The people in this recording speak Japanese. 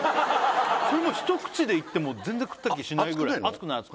これも一口でいっても全然食った気しないぐらい熱くないの？